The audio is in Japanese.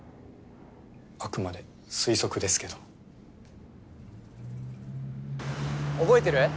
あくまで推測ですけど覚えてる？